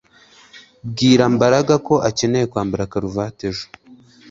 Bwira Mbaraga ko akeneye kwambara karuvati ejo